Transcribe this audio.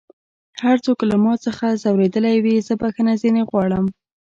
هر څوک که له ما څخه ځؤرېدلی وي زه بخښنه ځينې غواړم